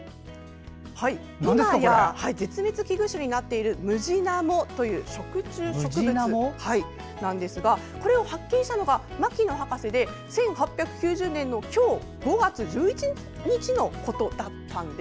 絶滅危惧種になっているムジナモという食虫植物なんですがこれを発見したのが牧野博士で１８９０年の今日５月１１日のことだったんです。